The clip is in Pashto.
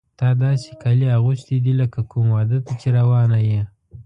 تا داسې کالي اغوستي دي لکه کوم واده ته چې روانه یې.